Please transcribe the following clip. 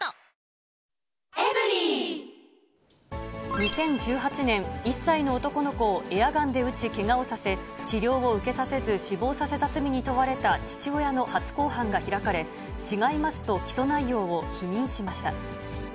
２０１８年、１歳の男の子をエアガンで撃ちけがをさせ、治療を受けさせず、死亡させた罪に問われた父親の初公判が開かれ、違いますと、起訴内容を否認しました。